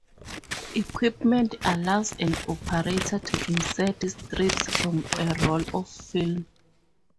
Equipment allows an operator to insert strips from a roll of film.